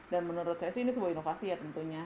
dan menurut saya sih ini sebuah inovasi ya tentunya